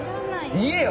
言えよ！